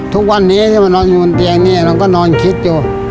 ทุกวันนี้ที่มานอนอยู่บนเตียงเนี่ยเราก็นอนคิดอยู่